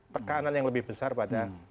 tekanan yang lebih besar pada